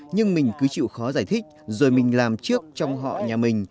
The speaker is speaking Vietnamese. nhưng mình cứ chịu khó giải thích rồi mình làm trước trong họ nhà mình